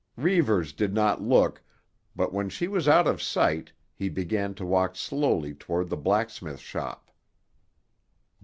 Reivers did not look, but when she was out of sight he began to walk slowly toward the blacksmith shop.